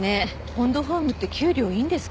ポンドホームって給料いいんですかね？